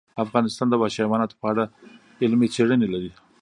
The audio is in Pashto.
افغانستان د وحشي حیواناتو په اړه علمي څېړنې لري.